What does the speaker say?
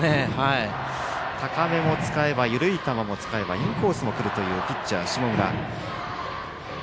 高めも使えば、緩い球も使えばインコースも来るというピッチャーの下村。